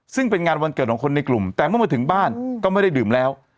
ซึ่งเป็นงานวันเกิดของคนในกลุ่มแต่เมื่อมาถึงบ้านก็ไม่ได้ดื่มแล้ว